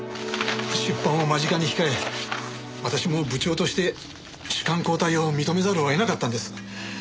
出版を間近に控え私も部長として主幹交代を認めざるを得なかったんです。